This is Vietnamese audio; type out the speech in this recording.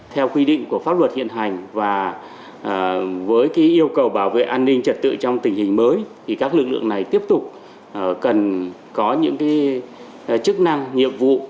theo quy định của pháp luật hiện hành và với yêu cầu bảo vệ an ninh trật tự trong tình hình mới thì các lực lượng này tiếp tục cần có những chức năng nhiệm vụ